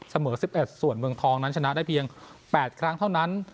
เสมอ๑๑ส่วนเมืองทองนั้นชนะได้เพียง๘ครั้งเท่านั้น